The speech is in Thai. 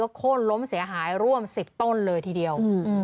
โค้นล้มเสียหายร่วม๑๐ต้นเลยทีเดียว